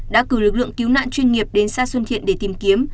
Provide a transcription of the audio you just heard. đã cử lực lượng cứu nạn chuyên nghiệp đến xã xuân thiện để tìm kiếm